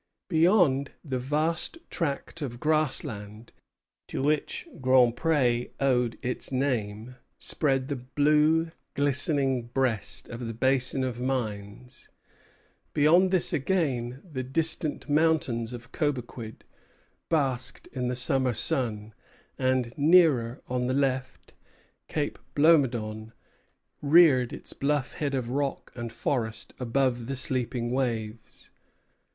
Beyond the vast tract of grassland to which Grand Pré owed its name, spread the blue glistening breast of the Basin of Mines; beyond this again, the distant mountains of Cobequid basked in the summer sun; and nearer, on the left, Cape Blomedon reared its bluff head of rock and forest above the sleeping waves.